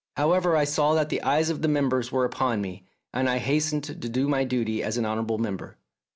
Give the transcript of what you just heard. However, I saw that the eyes of the members were upon me, and I hastened to do my duty as an honourable member.